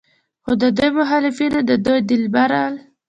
خو د دوي مخالفينو د دوي د لبرل